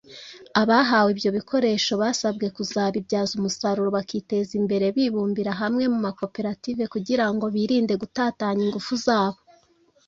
Abahawe ibyo bikoresho basabwe kuzabibyaza umusaruro bakiteza imbere bimbumbira hamwe mu makoperative kugira ngo birinde gutatanya ingufu zabo